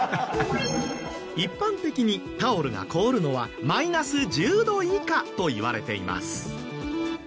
一般的にタオルが凍るのはマイナス１０度以下といわれています。